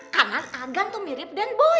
kanan agaknya mirip dengan boy